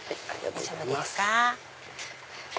大丈夫ですか？